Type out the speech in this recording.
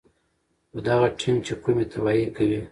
خو دغه ټېنک چې کومې تباهۍ کوي